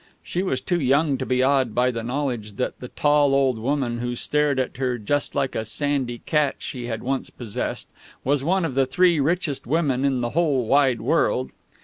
She was too young to be awed by the knowledge that the tall old woman who stared at her just like a sandy cat she had once possessed was one of the three richest women in the whole wide world.